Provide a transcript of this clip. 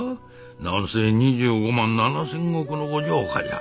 何せ２５万７，０００石の御城下じゃ。